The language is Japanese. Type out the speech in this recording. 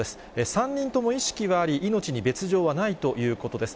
３人とも意識はあり、命に別状はないということです。